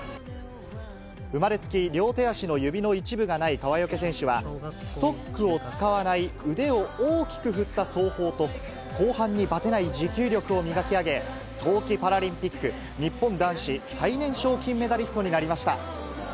生まれつき両手足の指の一部がない川除選手は、ストックを使わない、腕を大きく振った走法と、後半にばてない持久力を磨き上げ、冬季パラリンピック日本男子最年少金メダリストになりました。